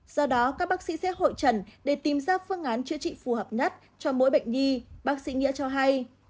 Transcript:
do đó các bác sĩ sẽ hội trần để tìm ra phương án chữa trị phù hợp nhất cho mỗi bệnh nhi bác sĩ nghĩa cho hay